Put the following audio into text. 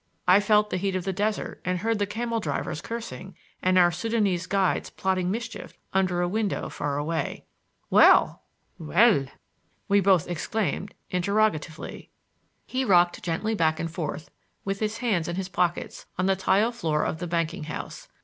I felt the heat of the desert and heard the camel drivers cursing and our Sudanese guides plotting mischief under a window far away. "Well!" we both exclaimed interrogatively. He rocked gently back and forth, with his hands in his pockets, on the tile floor of the banking house.